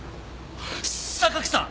榊さん！